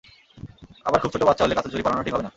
আবার খুব ছোট বাচ্চা হলে কাচের চুড়ি পরানো ঠিক হবে না।